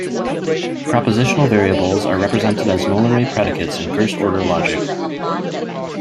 Propositional variables are represented as nullary predicates in first order logic.